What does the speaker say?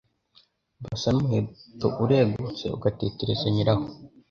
basa n’umuheto uregutse ugatetereza nyirawo